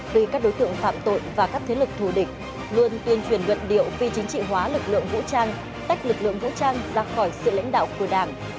vì các đối tượng phạm tội và các thế lực thù địch luôn tuyên truyền luận điệu phi chính trị hóa lực lượng vũ trang tách lực lượng vũ trang ra khỏi sự lãnh đạo của đảng